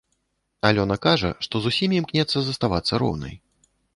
Алёна кажа, што з усімі імкнецца заставацца роўнай.